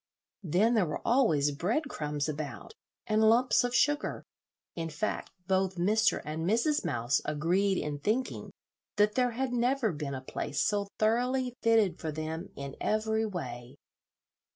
Then there were always bread crumbs about, and lumps of sugar; in fact, both Mr. and Mrs. Mouse agreed in thinking that there had never been a place so thoroughly fitted for them in every way.